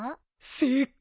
正解。